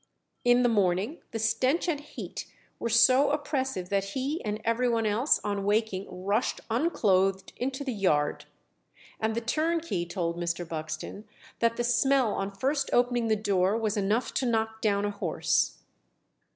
"In the morning the stench and heat were so oppressive that he and every one else on waking rushed unclothed into the yard;" and the turnkey told Mr. Buxton that the "smell on first opening the door was enough to knock down a horse."